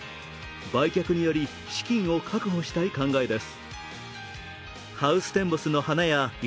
売却により資金を確保したい考えです。